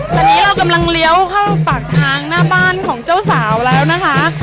ตอนนี้เรากำลังเลี้ยวเข้าปากทางหน้าบ้านของเจ้าสาวแล้วนะคะ